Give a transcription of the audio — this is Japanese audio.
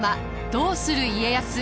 「どうする家康」。